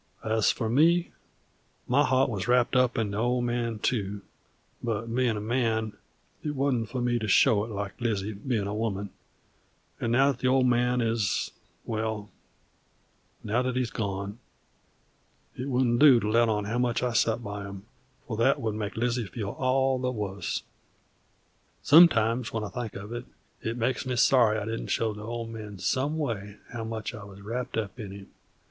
As for me, my heart wuz wrapped up in the Old Man, too, but, bein' a man, it wuzn't for me to show it like Lizzie, bein' a woman; and now that the Old Man is wall, now that he has gone, it wouldn't do to let on how much I sot by him, for that would make Lizzie feel all the wuss. Sometimes, when I think of it, it makes me sorry that I didn't show the Old Man some way how much I wuz wrapped up in him.